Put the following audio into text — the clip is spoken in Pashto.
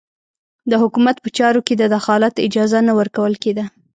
د حکومت په چارو کې د دخالت اجازه نه ورکول کېده.